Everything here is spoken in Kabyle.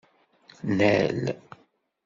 Nnal.